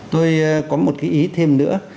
tôi có một cái ý thêm nữa